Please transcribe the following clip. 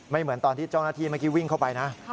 เหมือนตอนที่เจ้าหน้าที่เมื่อกี้วิ่งเข้าไปนะ